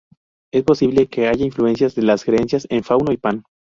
Es posible que haya influencias de las creencias en Fauno y Pan.